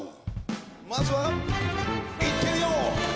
まずはいってみよう！